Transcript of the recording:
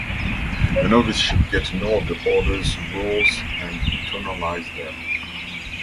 The novice should get to know the order’s rules and internalize them.